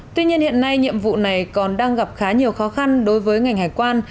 tuy nhiên hiện nay nhiệm vụ này còn đang gặp khá nhiều khó khăn đối với ngành hải quan